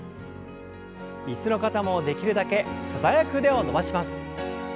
椅子の方もできるだけ素早く腕を伸ばします。